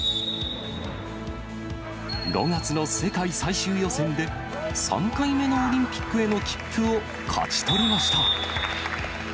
５月の世界最終予選で、３回目のオリンピックへの切符を勝ち取りました。